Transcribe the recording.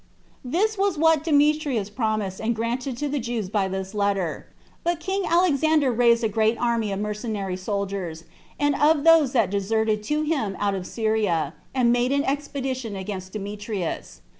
4. This was what Demetrius promised and granted to the Jews by this letter. But king Alexander raised a great army of mercenary soldiers, and of those that deserted to him out of Syria, and made an expedition against Demetrius.